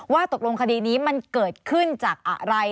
ว่าตกลงคดีนี้มันเกิดขึ้นจากอะไร